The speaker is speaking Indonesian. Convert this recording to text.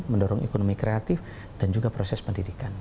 mendorong ekonomi kreatif dan juga proses pendidikan